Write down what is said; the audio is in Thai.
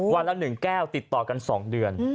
วันละ๑แก้วติดต่อกัน๒เดือน